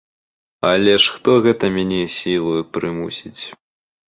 Але хто ж гэта мяне сілаю прымусіць?